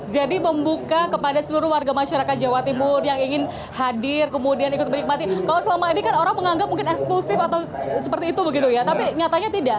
jadi membuka kepada seluruh warga masyarakat jawa timur yang ingin hadir kemudian ikut menikmati kalau selama ini kan orang menganggap mungkin eksklusif atau seperti itu begitu ya